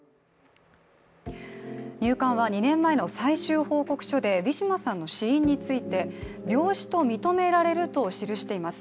入管は２年前の最終報告書で、ウィシュマさんの死因について病死と認められると記しています。